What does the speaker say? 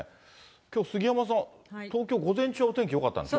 きょう杉山さん、東京、午前中はお天気よかったんでしょ？